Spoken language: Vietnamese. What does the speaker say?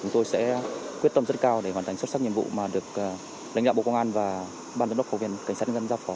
chúng tôi sẽ quyết tâm rất cao để hoàn thành xuất sắc nhiệm vụ mà được lãnh đạo bộ công an và ban giám đốc học viện cảnh sát nhân dân giao phó